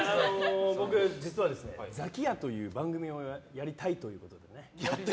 僕、実は「ザキ屋」という番組をやりたいと思って。